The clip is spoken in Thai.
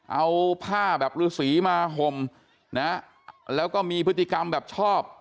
เอาผ้าแบบฤษีมาห่มแล้วก็มีพฤติกรรมแบบชอบ